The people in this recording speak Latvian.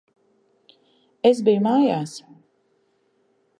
Es biju mājās.